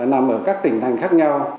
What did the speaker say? nằm ở các tỉnh thành khác nhau